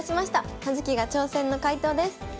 「葉月が挑戦！」の解答です。